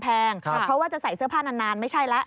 เพราะว่าจะใส่เสื้อผ้านานไม่ใช่แล้ว